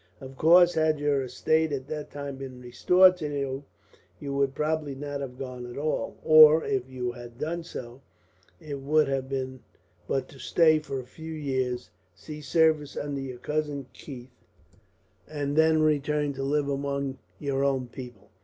"Of course, had your estate at that time been restored to you, you would probably not have gone at all; or if you had done so, it would have been but to stay for a few years, and see service under your cousin Keith, and then return to live among your own people.